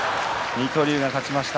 水戸龍が勝ちました。